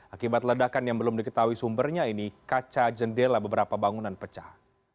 akibat ledakan yang belum diketahui sumbernya ini kaca jendela beberapa bangunan pecah